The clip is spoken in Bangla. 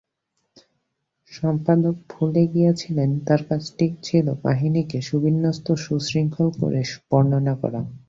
সম্পাদক ভুলে গিয়েছিলেন তাঁর কাজটি ছিল কাহিনিকে সুবিন্যস্ত সুশৃঙ্খল করে বর্ণনা করা।